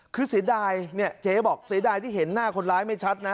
คือเสียดายเนี่ยเจ๊บอกเสียดายที่เห็นหน้าคนร้ายไม่ชัดนะ